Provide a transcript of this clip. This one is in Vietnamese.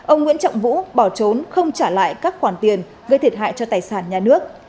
ông nguyễn trọng vũ bỏ trốn không trả lại các khoản tiền gây thiệt hại cho tài sản nhà nước